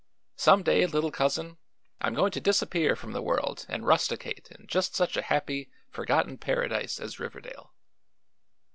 Some day, little Cousin, I'm going to disappear from the world and rusticate in just such a happy, forgotten paradise as Riverdale."